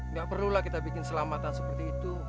nggak perlulah kita bikin selamatan seperti itu